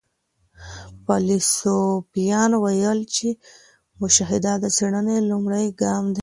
فيلسوفانو ويل چي مشاهده د څېړنې لومړی ګام دی.